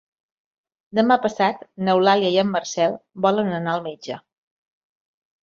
Demà passat n'Eulàlia i en Marcel volen anar al metge.